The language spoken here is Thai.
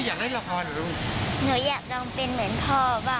เป็นยังไงบ้างกับการตอบคำถามนะคะแล้วก็เรื่องกิจกรรมบอกเลยว่า